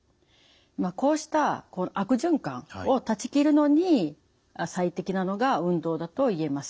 こうした悪循環を断ち切るのに最適なのが運動だと言えます。